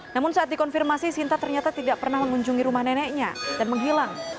namun saat dikonfirmasi sinta ternyata tidak pernah mengunjungi rumah neneknya dan menghilang